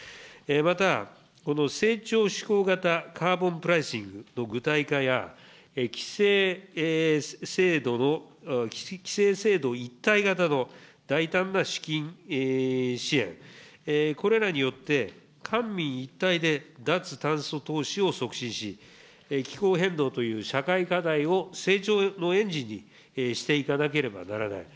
またこの成長志向型カーボンプライシングの具体化や、規制制度一体型の大胆な資金支援、これらによって、官民一体で脱炭素投資を促進し、気候変動という社会課題を成長のエンジンにしていかなければならない。